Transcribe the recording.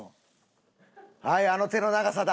はいあの手の長さだ。